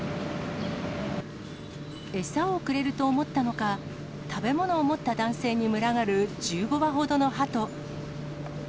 餌をくれると思ったのか、食べ物を持った男性に群がる１５羽ほどのハト。